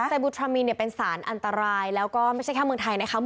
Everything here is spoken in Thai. แต่บุธรมีนเป็นสารอันตรายแล้วก็ไม่ใช่แค่เมืองไทยนะครับ